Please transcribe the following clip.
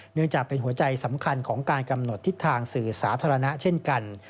เนื่องจากเป็นหัวใจสำคัญของการกำหนดทิศทางสื่อสาธารณะเช่นกัน